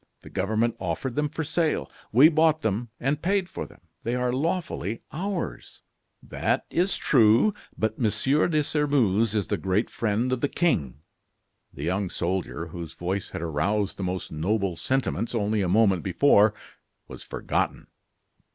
The government offered them for sale; we bought them, and paid for them; they are lawfully ours." "That is true; but Monsieur de Sairmeuse is the great friend of the king." The young soldier, whose voice had aroused the most noble sentiments only a moment before, was forgotten.